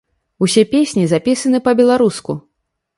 Усе песні запісаны па-беларуску.